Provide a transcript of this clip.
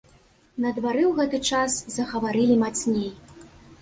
На двары ў гэты час загаварылі мацней.